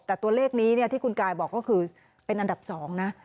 แต่ตัวเลขนี้ที่คุณกายบอกก็คือเป็นอันดับ๒นะ